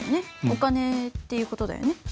お金っていう事だよね。